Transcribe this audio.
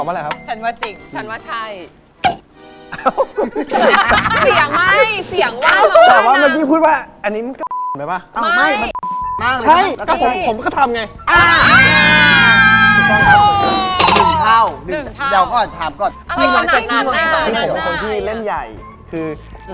ให้พี่เชื่อหรือไม่